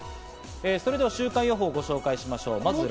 それでは週間予報をご紹介しましょう。